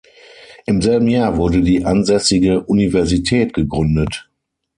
Im selben Jahr wurde die ansässige Universität gegründet.